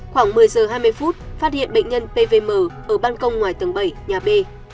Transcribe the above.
khoảng một mươi giờ hai mươi phút phát hiện bệnh nhân pvm ở ban công ngoài tầng bảy nhà b